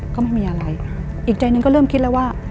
ก็ไม่มีอะไรอีกใจหนึ่งก็เริ่มคิดแล้วว่า